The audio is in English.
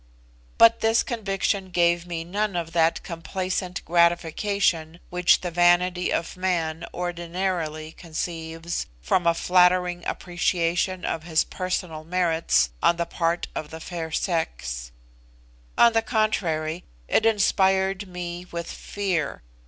But this conviction gave me none of that complacent gratification which the vanity of man ordinarily conceives from a flattering appreciation of his personal merits on the part of the fair sex; on the contrary, it inspired me with fear.